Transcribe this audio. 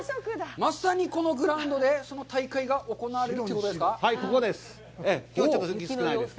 まさにこのグラウンドでその大会が行われるってことですか。